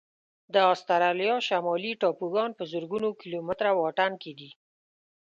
د استرالیا شمالي ټاپوګان په زرګونو کيلومتره واټن کې دي.